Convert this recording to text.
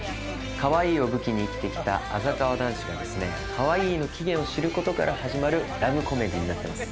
かわいいを武器に生きてきたあざかわ男子がですねかわいいの期限を知る事から始まるラブコメディーになっています。